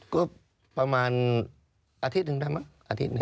ก็ประมาณอาทิตย์หนึ่งได้มั้งอาทิตย์หนึ่ง